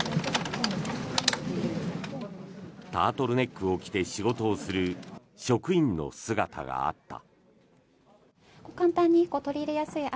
タートルネックを着て仕事をする職員の姿があった。